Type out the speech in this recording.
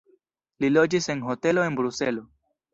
Li loĝis en hotelo en Bruselo.